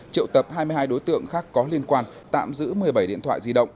triệu tập hai mươi hai đối tượng khác có liên quan tạm giữ một mươi bảy điện thoại di động